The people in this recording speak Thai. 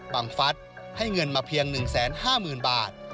ฟัฐให้เงินมาเพียง๑๕๐๐๐บาท